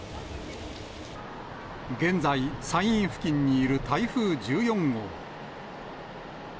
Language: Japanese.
現在、山陰付近にいる台風１４号。